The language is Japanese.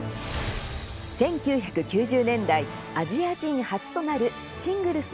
１９９０年代アジア人初となるシングルス